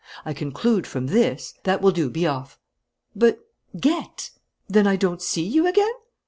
I conclude from this " "That will do; be off!" "But " "Get!" "Then I don't see you again?"